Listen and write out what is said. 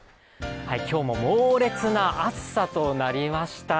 今日も猛烈な暑さとなりました。